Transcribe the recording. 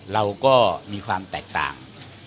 เราก็มีความแตกต่าง